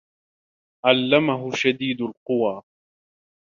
عَلَّمَهُ شَديدُ القُوى